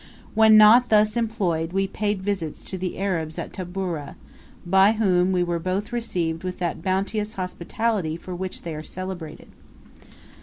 When not thus employed, we paid visits to the Arabs at Tabora, by whom we were both received with that bounteous hospitality for which they are celebrated.